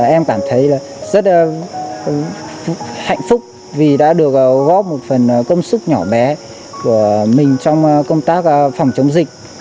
em cảm thấy rất hạnh phúc vì đã được góp một phần công sức nhỏ bé của mình trong công tác phòng chống dịch